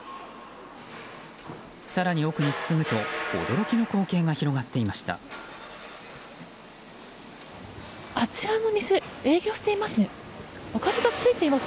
更に奥に進むと驚きの光景が広がっていました。